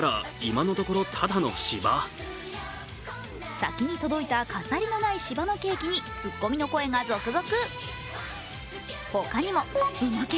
先に届いた飾りのない芝のケーキにツッコミの声が続々。